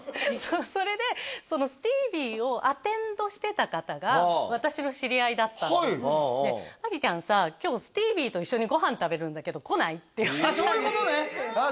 それでそのスティーヴィーをアテンドしてた方が私の知り合いだったんですでありちゃんさ今日スティーヴィーと一緒にご飯食べるんだけど来ない？って言われたんですあっ